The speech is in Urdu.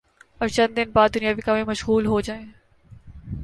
اور چند دن بعد دنیاوی کاموں میں مشغول ہو جائیں